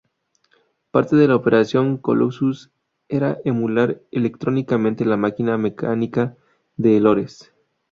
Parte de la operación Colossus era emular electrónicamente la máquina mecánica de Lorenz.